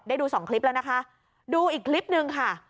ดูสองคลิปแล้วนะคะดูอีกคลิปนึงค่ะ